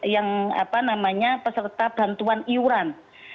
yang apa namanya peserta bantuan iuran